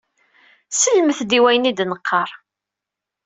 Slemt-d i wayen i d-neqqaṛ!